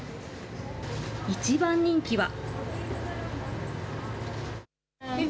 一番人気は。